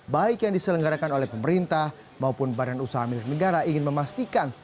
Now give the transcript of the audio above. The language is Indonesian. baik yang diselenggarakan oleh pemerintah maupun badan usaha milik negara ingin memastikan